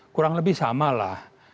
kurang lebih sama lah